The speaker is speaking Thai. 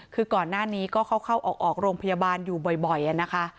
คือก่อนหน้านี้ก็เข้าออกโรงพยาบาลอยู่บ่อยนะคะ